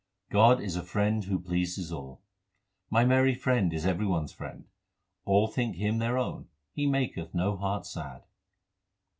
God is the Friend who pleases all : My merry Friend is every one s friend ; All think Him their own ; He maketh no heart sad.